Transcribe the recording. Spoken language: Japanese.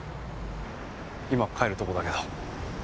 今帰るとこだけど。